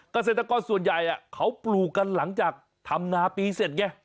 เกษตรกรส่วนใหญ่เขาปลูกกันหลังจากทำนาปีเสร็จไง